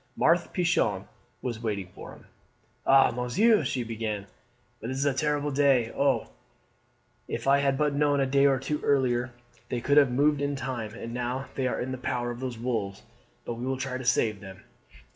Marthe Pichon was waiting for him. "Ah, Monsieur," she began, "but this is a terrible day! Oh, if I had but known a day or two earlier they could have moved in time, and now they are in the power of those wolves; but we will try to save them.